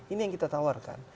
ini yang kita tawarkan